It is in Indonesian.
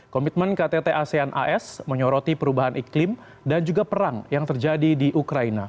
komitmen ktt asean as menyoroti perubahan iklim dan juga perang yang terjadi di ukraina